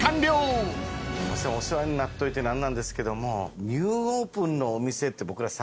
お世話になっといて何なんですけども。